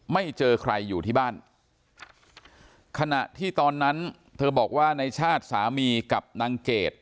ไม่เจอใครอยู่ที่บ้านขณะที่ตอนนั้นเธอบอกว่าในชาติสามีกับนางเกด